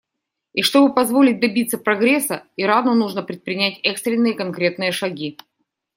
И чтобы позволить добиться прогресса, Ирану нужно предпринять экстренные конкретные шаги.